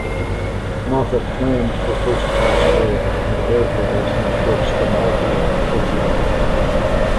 Moffat claimed for first-class rail and air fares and trips to Malta and Portugal.